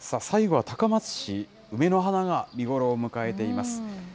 最後は高松市、梅の花が見頃を迎えています。